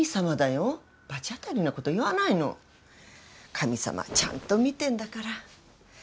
神様はちゃんと見てんだから。